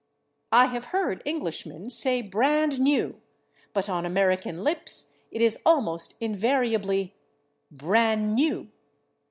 I have heard Englishmen say /brand new/, but on American lips it is almost invariably /bran new